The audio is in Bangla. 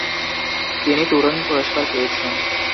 তিনি টুরিং পুরস্কার পেয়েছেন।